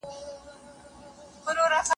راباندې سیوری کوي.